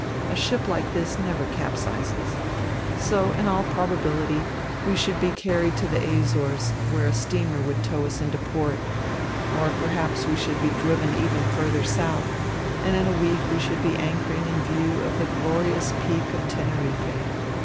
A ship like this never capsizes. So, in all probability, we should be carried to the Azores, where a steamer would tow us into port. Or, perhaps, we should be driven even further south, and in a week we should be anchoring in view of the glorious Peak of Teneriffe."